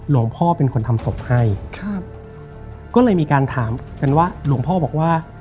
หลวงพ่อเป็นคนทำศพให้ครับก็เลยมีการถามกันว่าหลวงพ่อบอกว่า